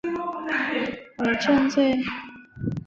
伪证罪在刑法属于重罪。